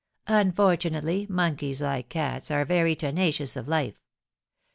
Unfortunately, monkeys, like cats, are very tenacious of life.